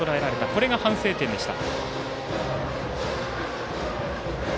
これが反省点でした。